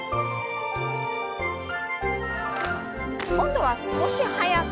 今度は少し速く。